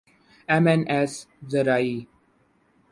M N S زرعی